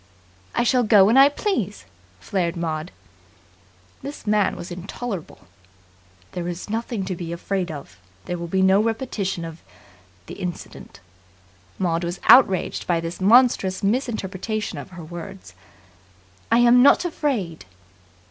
"I shall go when I please," flared Maud. This man was intolerable. "There is nothing to be afraid of. There will be no repetition of the incident." Maud was outraged by this monstrous misinterpretation of her words. "I am not afraid!"